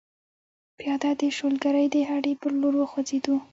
پیاده د شولګرې د هډې پر لور وخوځېدو.